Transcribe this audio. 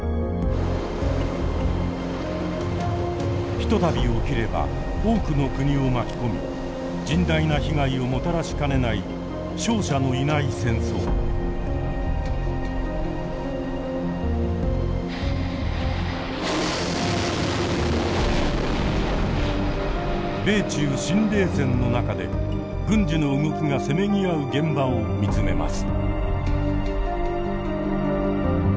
ひとたび起きれば多くの国を巻き込み甚大な被害をもたらしかねない米中“新冷戦”の中で軍事の動きがせめぎ合う現場を見つめます。